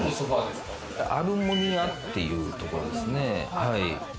アルモニアっていうところですね。